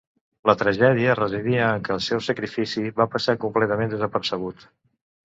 La tragèdia residia en que el seu sacrifici va passar completament desapercebut.